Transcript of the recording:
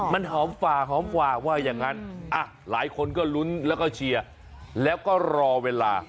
มันหอมฝ่าหอมฝ่าว่าอย่างนั้นหลายคนก็ลุ้นแล้วก็เชียร์แล้วก็รอเวลา